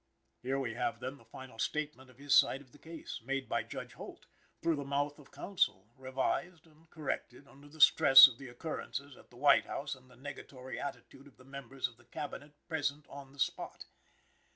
Here we have, then, the final statement of his side of the case, made by Judge Holt, through the mouth of counsel, revised and corrected under the stress of the occurrences at the White House and the negatory attitude of the members of the Cabinet present on the spot.